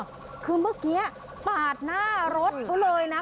คุณผู้ชมค่ะคือเมื่อกี้ปากหน้ารถเร็วเลยน่ะ